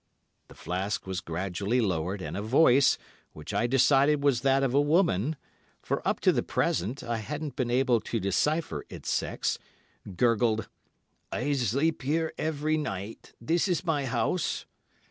The flask was gradually lowered, and a voice, which I decided was that of a woman—for up to the present I hadn't been able to decipher its sex—gurgled, "I sleep here every night. This is my house."